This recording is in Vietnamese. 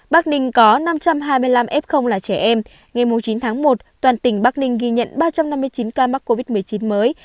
bắc ninh có năm trăm hai mươi năm f là trẻ em ngày chín tháng một toàn tỉnh bắc ninh ghi nhận ba trăm năm mươi chín ca mắc covid một mươi chín mới